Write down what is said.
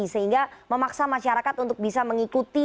sehingga memaksa masyarakat untuk bisa mengikuti